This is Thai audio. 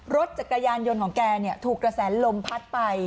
รถจักรยานยนต์ของแกถูกกระแสลมพัดไป